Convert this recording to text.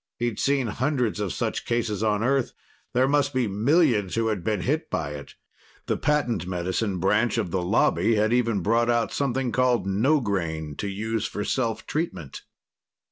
He'd seen hundreds of such cases on Earth. There must be millions who had been hit by it. The patent medicine branch of the Lobby had even brought out something called Nograine to use for self treatment.